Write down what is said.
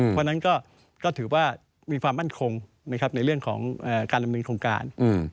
เพราะฉะนั้นก็ถือว่ามีความมั่นคงในเรื่องของการดำเนินโครงการ